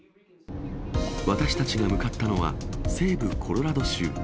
私たちが向かったのは、西部コロラド州。